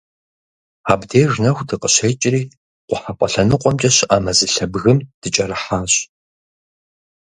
Абдеж нэху дыкъыщекIри, къухьэпIэ лъэныкъуэмкIэ щыIэ мэзылъэ бгым дыкIэрыхьащ.